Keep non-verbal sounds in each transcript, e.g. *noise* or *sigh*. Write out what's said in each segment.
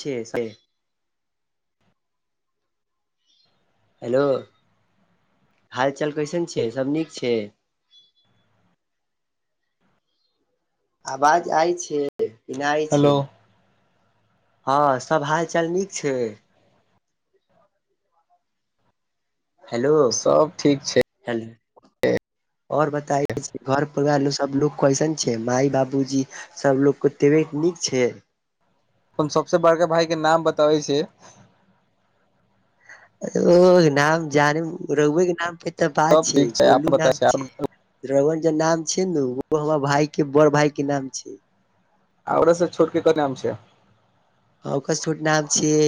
छियै से। हेलो हाल चाल कैसन छैय सब नीक छैय। आवाज आय छैय की नाय हेलो छैय। हँ सब हाल चाल नीक छैय। हेलो सब ठीक छै हेल। और बताये घर परिवारमे सब लोग कैसन छैय माय, बाबूजी। सब लोगके तबेत नीक छैय। हम सबसे बड़का भाइके नाम बताबै छी। ओ नाम जाने रउए के नाम पे त पता सब छियै ठीक छै आप गोलू बताै नाम छै ओकरा छियै। *unintelligible* जे नाम छैय नु ओ हमर भायके बड़ भायके नाम छैय औरु सब छोटके की नाम छियअ। हा ओकर से छोट नाम छियै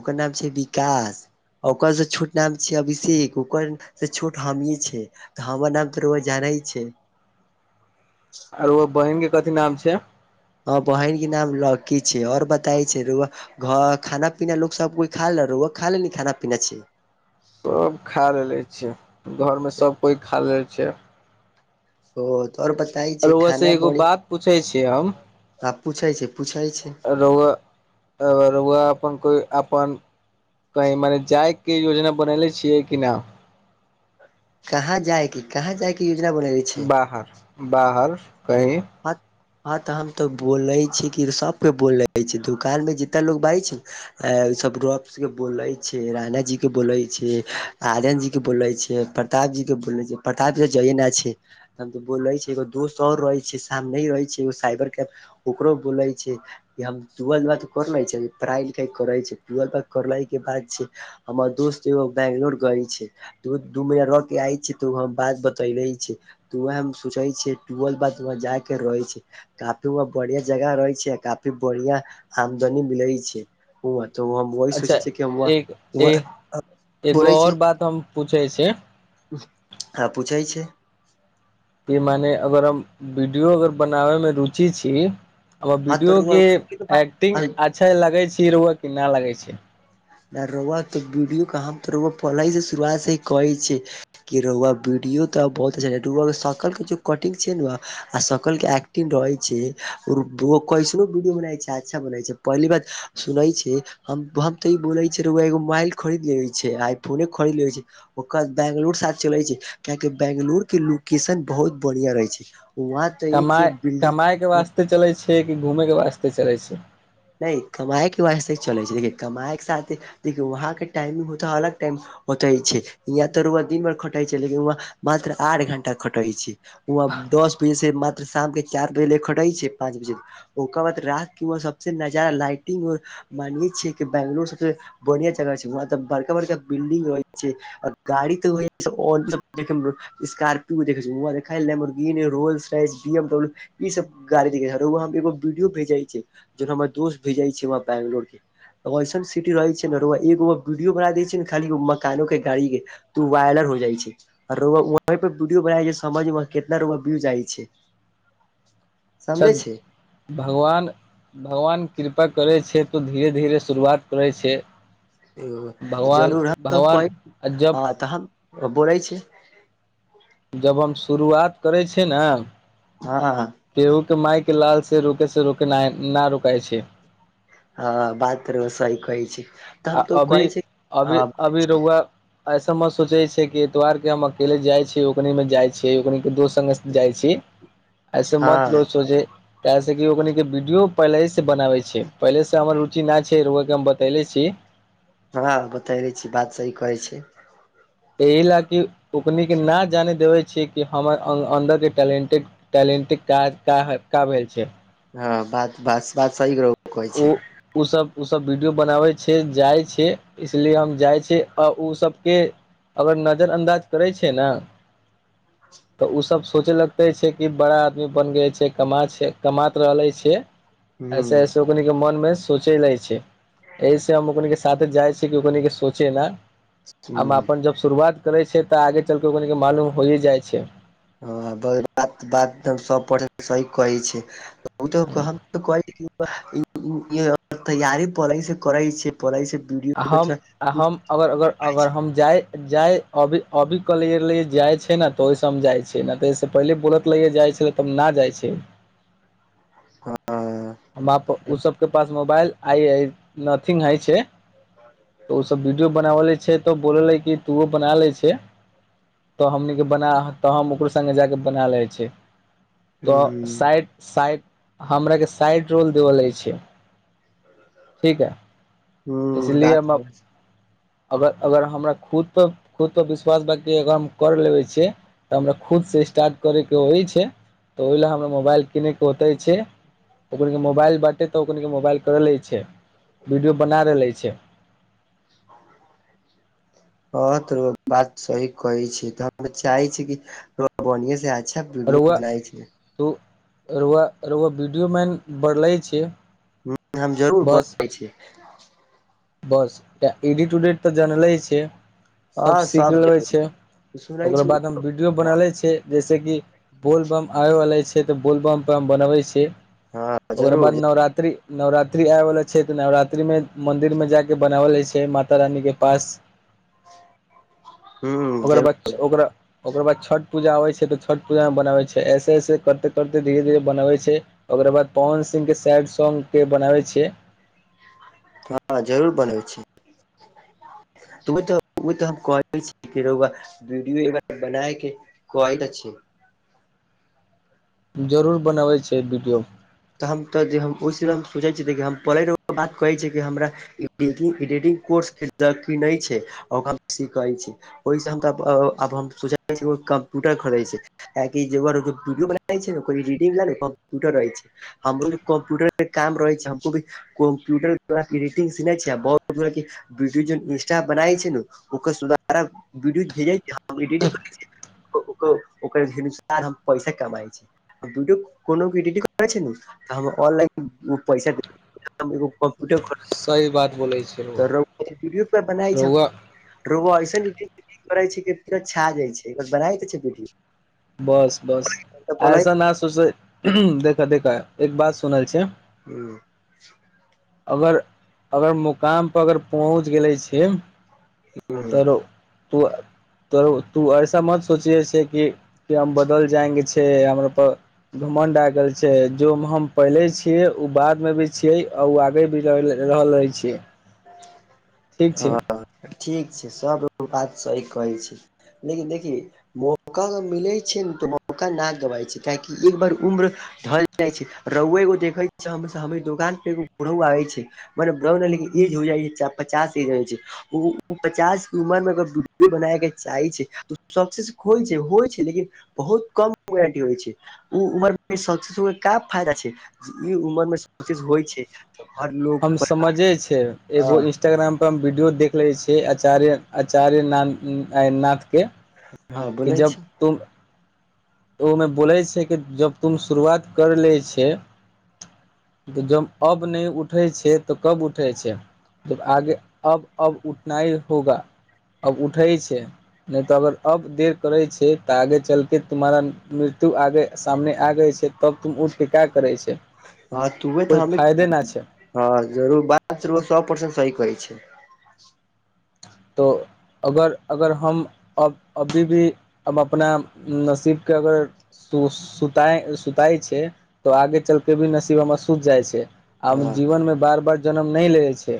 ओकर नाम छियै विकास। आ ओकर से छोट नाम छियै अभिषेक, ओकर से छोट हमी छैय। हमर नाम त *unintelligible* जानै छैय आर ओ बहिनके कथी नाम छिअ। आ बहिनके नाम लकी छैय और बताइ छैय *unintelligible* घ खाना- पीना लोग सब कोइ खा लेलक। *unintelligible* खा लेलि खाना पीना छी। सब खा लेले छियै घरमे सब कोइ खा लेने छैय ओ त और बताइ छैय रउआ से खाना एगो बड़ी बात पूछे छियै हम आ पुछै छैय, पुछै छैय। *unintelligible* अपन कोई अपन कहीं मने जाइके योजना बनैले छियै कि ना। कहाँ जायके, कहाँ जायके योजना बनैले छै बाहर, बाहर कहीं। *unintelligible* हां त हम त बोलै छी कि सबके बोलै छी दुकानमे जितना लोग बाजै छैय सब *unintelligible* के बोलै छियै राना जी के बोलै छी, राजन जीके बोलै छियै *unintelligible* प्रताप जीके बोलने छियै, प्रताप जी जबइ ना छैय त बोलै छैय एगो दोस्त और रहय छैय आब नै रहै छैय ओ साइबर के ओकरो बोलै छियै हम टुअल बाद कर लै छैय, पढ़ाइ- लिखाइ करै छैय टूअल तक करलहि के बाद छैय। हमर दोस्त एगो बैंगलोर गइल छैय। त दू महीना रह के आय छै तऽ हम बात बतैने छै। तऽ वैह हम सोचै छियै टूअल बाद वहाँ जाय के रहै छै। काफी व बड़िया जगह रहै छै काफी बड़िया आमदनी मिलै छै। ओ त *unintelligible* वैही अच्छा सोचै छीयै, कि हम वा एक ए -वाहां एगो बोलै छी। और बात हम पूछे छै हां पूछै छै। कि मने अगर हम वीडियो अगर बनाने में रुचि छी। आ हँ वीडियो के एक्टिंग तोर अच्छा लगैत छै, रउआ कि ना लगैत छै। ना रउआ तऽ वीडियो के हम तऽ पलहि से शुरुआत से कहै छियै। के रउआ वीडियो तऽ बहुत अच्छा रहे नेटवर्क सकल के जे कटिंग छै ने बा। आ सकल के एक्टिंग रहै छै, ब्लोक कैसनो वीडियो बनाय छै, अच्छा बनाै छै पहली बात सुनै छी हम ति इ बोले छियै, एगो मोबाइल खरीद लेबेछियै आइ फोने खरीद लेबेछियै। ओकर बेंगलुर साथ चले छी, कियाकि बेंगलुर के लोकेशन बहुत बड़िया रहे छै। वहां। तऽ एक से कमाय- एक बिल्डिंग कमायके वास्ते चलै छियै, कि घुमैके वास्ते चलै छियै। नै कमायके वास्तेचलै छै, लेकिन कमायके साथे देखियौ वहाँके टाइमिंग हो त अलग टाइम ओते छै, इहां तऽ रउआ दिन भर खटै छै, लेकिन रउआ मात्र आठ घंटा खटै छै। उहा दस दिन से मात शामके चार बजे ले खटै छै, पाँच बजे ओकर बाद राति के उ सब। सब से नजारा लाइटिंगर मानवि छियै, कि बैंगलोर सबसे। बड़िया जगहा छै, वहाँ तऽ बड़ाका- बड़का बिल्डिंग रहै छै। गाड़ी तऽ होइछै सबलेटम *inaudible* स्कार्पियो देखैह वहां Lamborghini, Rolls rider, B M W. इ सब गाड़ी देख रउआ एगो वीडियो भेजै छै, जे हमर दोस्त भेजे छै वहाँ बैंगलोर से। ऐसन सीटी रहै छै ने एगो वीडियो बना दयै छै न रउआ खाली मकानो के गाड़ी के। उ वायरल हो जाइ छै, रउआ वहा पर वीडियो बना समझ मे कितना रिव्यू जाइ छै। समझै छन छै *inaudible* भगवान -भगवान कृपा करै छै, तऽ धीरे-धीरे शुरुआत करै छै। ओ भगवान जरूर हम भगवान जब हँ तऽ हम बोलै छै। जब हम शुरुआत करै छियै न। हाँ। केहू के मायके लाल से रुकै से रुकै नै ना रुकै छी। हँ बात तऽ रौआ सही कहै छी। तऽ आ हम तो कहै अभी- छी अभी- हँ अभी रौआ। ऐसे में सोचै छियै कि एतवार के हम अकेले जाय छी, ओकनी में जाय छी, ओकनी के दोस्त संगे जाइ छी, एहिसँ मत हँ लोक सोचै काहे से कि ओकनी के वीडियो पहिलेहे सँ बनाबै छी, पहिलेसँ हमर रुचि नै छै, रौआ के हम बतैले छी। हं बतेरे छी बात सही कहै छी। एहि लए की ओकनी के ना जाने देबै छै कि हमर अन्द-अन्दर के टैलेंटेड। टैलेंटिक काज काह का भेल छै। हँ बात- बात- बात सही रौआ कहै छी। ओ उ सब उ सब वीडियो बनावे छै जाय छै। इसलिए हम जाइ छी आ उ सभके। अगर नजर अन्दाज करै छियै नऽ। तऽ उ सब सोच लगतै छै कि बड़ा आदमी बन गेल छै कमा छै कमात रहलै छे। हूँ ऐसे-ऐसे ओकनी के मोन में सोचे लै छै। एहि से हम ओकनि के साथे जाइ छी कि ओकनि के सोचे ला। आ हूँ अपन जब शुरुआत करै छै तऽ आगे चलके ओकनी के मालूम होये जाइ छै। हँ बर बात-बात तऽ सौ परसेंट सही कहै छियै। उत आ कहब तऽ कए दिती तैयारी पढ़ैसे करै छियै पढ़ैसे हम आ हम अगर-अगर-अगर हम जाय जाइ अभी-अभी कहलियै ले जाइ छै न तऽ ओय हम जाइ छीय नतऽ ऐस पहिले बोलत ले जाइ छै। तब ना जाइ छै। हँ। बाप उ सबके पास मोबाइल आइ आइ नथिंग अइ छै। तऽ ओ सब वीडियो बनावलै छै तऽ ओ बोललै की तुहू बना लै छे। तऽ हमनीके बना तऽ हम ओकरो संगे जाके बना लैछी। तऽ हूं साइड साइड हमराके साइड रोल देबऽ लै छै। ठीक है हूं इसलिए बात हम अब अगर अगर हमरा खुद पर खुद पर विश्वास बाकी अगर हम कर लेबै छियै। तऽ हमरा खुदसँ स्टार्ट करयके होइ छै तऽ ओहि ला हमरा मोबाइल किनयके होतै छै। ओकनी के मोबाइल बाँटे तऽ ओकनी के मोबाइल कर लै छै वीडियो बना रहलै छै। हँ तोरो बात सही कहै छी तऽ हम त चाहै छी कि बढ़ियें से। अच्छा वीडियो रौआ बनाइ छै। रौआ रौआ वीडियो मेन बड़लै छियै। हम जरूर बनबै छै। बस एडिट उडिट तऽ जनलै छिय। सभ हँ सीख सब लेबै जरूर छै सुनै ओकर छी बाद हम वीडियो बना लै छै जैसे कि बोलबम आबैवला छै तऽ बोलबम पर हम बनबै छियै। हँ ओकरा जरूर बाद नवरात्रि नवरात्रि आबैवला छै तऽ नवरात्रि में मंन्दिर में जाके बनावलै छै माता रानी के पास ह ओकर जरूर बाद ओकरा ओकर बाद छठ पूजा आबै छै तऽ छठ पूजा मे बनाबै छै ऐसे-ऐसे करते-करते धीरे-धीरे बनबै छिय। ओकरा बाद पवन सिंह के सैड सॉन्ग के बनाबै छियै। हँ जरूर बनबै छी। तु तऽ ओ तऽ हम कहै छीय की रौआ वीडियो बनाय के कहै त छियै। जरूर बनबै छै वीडियो। तऽ हम तऽ हम ओहि सम हम सोचै छियै देख हम पढ़ै रह ओ बात कहै छियै कि हमरा एडिटिंग कोर्स की नहि छै ओकरा सीखै छी। ओहिसँ हम तऽ आब हम सोचै छी ओ कम्प्यूटर खरै छै। एक ई जगर भीडियो बनै छै ओ रडिंग ब कम्पटर रहै छै। हमरो भी कम्प्यूटर के काम रहै छै हमको भी कम्प्यूटर पल्स एडिटिंग सीने छै बहुत तरह कि वीडियो जे इंस्टा बनाय छै नु ओकर सुधारब वडियो भेजत एडिटि करै छै न। ओ ओकर हिन्सटाग्राम पैसा कमाइ छै। कोनो एडिटि करे छै नु त हम ऑनलाइन पैसा दे ए कम्प्यूटर खोल सही बात बोलै छै रौआ त रूट्य पर बनाय छै। रौआ रो ऐसन करै छै छा जाइ छै बना द छै पीदी। बस बस ऐसन नहि सोच देखऽ देखऽ एक बात सुनल छिय। हूं। अगर अगर मुकामपर अगर पहुँच गेलै छी। तोरो त तोर तू ऐसा मत सोचिये छै कि। कि हम बदल जाएंगे छै हमराप। घुमण्ड आ गेल छै जो मे हम पहिले छीय उ बाद में भी छीये आ ओ आगे भी। रहल रहै छी। ह ठीक छै सब बात सही कहै छी। ल देखि। मौका मिलै छै ने तऽ मौका न गबााय छै काहकि एक बार उम्र। ढल जाइ छै रहुए एगो देखे छी हमर दोकान पे एगो रहु आबै छै। मने ब्र ईज हो जाइ पचास ईज होइ छै। ओ पचास क उमर मे ओकर बू बनाय के चाहे छै। सक्सेस होइ छै होइ छै लेकिन बहुत कमटी होइ छै। ओ उमर मे सब चीज हो क फायदा छै ई उमर मे स चीज होइ छै। हर लोग पर। मजे छै एगो हँ इ। इंस्टाग्राम पर हम वीडियो देख ले छिय आचार्य आचार्य नाथ नाथ के। हँ कि बोलै जब छै तुम। ऽ ओहिमे बोलै छै कि जब तुम शुरुआत करि लै छे। त जब अब नहि उठै छै तऽ कब उठै छै। जब आगे अब अब उठनाई होगा। अब उठै छै नहि तऽ अगर अब देर करै छै तऽ आगे चलके। तुम्हारा मृत्यु आगे सामने आ गय छै। तब तुम उठिके का करै छै हँ तूहे तऽ कोइ हमे फायदे न छै। हँ जरूर बात सो परसेंट सही कहै छै। तऽ। अगर अगर हम अब अभी भी अब अपना नसीबके अगर। सु सुताइ सुताइ छै तऽ आगे चलके भी नसीबमे सुत जाइ छै। आब हँ जीवन मे बार बार जनम नहि लेै छै।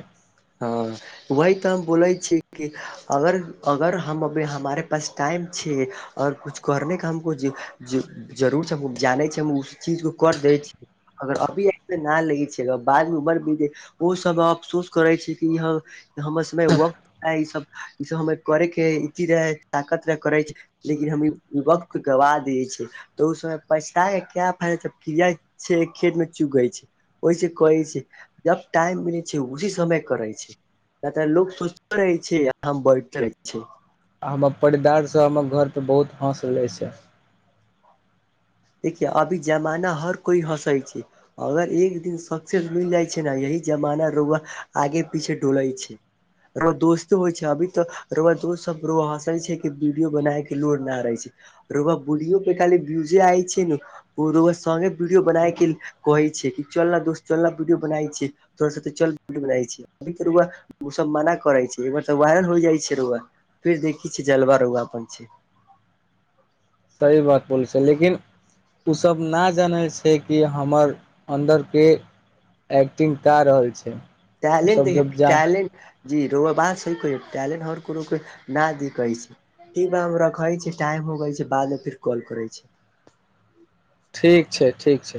हँ वही तऽ हम बोलै छी की। अगर अगर हम अभी हमारे पास टाइम छिय अओर कुछु करनेके हमक। जरूर छै हम जानै छ हम उस चीज को कर देै छीय। अगर अभी ऐसे न लगै छै बाद मे उमर भी जे ओ सब अफसोस। करे छी किह हम हमर समय वक्त आ इ सब। ई सब हमे करेके चीे ताकत रे करै छै। लेकिन हम ई वक्त गबा द छिय तऽ ओ समय पछताके क्या फायदा छै किया। खेत मे चु गै छै ओहिस कहै छै जब टाइम मिलै छै उहे। समय करै छै तऽ लोक सोचते रहे छै आ हम बढ़िते रहै छै। आ हमर परिदारसभ हमर घरपर बहुत हँस लै से। *inaudible* देखिये अभी जमाना हर कोइ हँसे छै। अगर एक दिन सक्सेस मिल जाइ छै ने यही जमाना रउआ आगे पीछे डोलै छै। और दोस्त होय छै, अभी तऽ रौउआ दोस सब रौउआ हँसै छै कि बीडियो बनायके लोड ना रहै छै। रौउआ बुलियो के खाली व्यूजे आय छै नै ओ रौउआ संगे बीडियो बनाय के कहै छिये कि चल ना दोस्त चल ना बीडियो बनाय छी, तोरा साथे चल बीडियो बनाय छी, अभी ते रौउआ ओ सब मना करै छै एकबार तऽ वायरल हो जाइ छै रौआ फेर देखी छै जलवा रौआ अपन छै सही बात बोले छै लेकिन उ सब नहि जानै छै कि हमर अन्दरके एक्टिंग का रहल छै। टैलेंट ओसभ देखि जब के जा टैलेन जी रौउआ बात सही कहै टैलेंट हर कुनू के ना दी कहै छै। *unintelligible* मे हम रखै छी, टाइम हो गेल छै, बाद मे फिर कॉल करै छी। ठीक छै, ठीक छै।